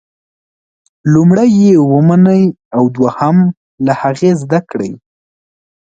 لومړی یې ومنئ او دوهم له هغې زده کړئ.